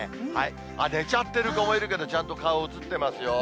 あっ、寝ちゃってる子もいるけど、ちゃんと顔映ってますよ。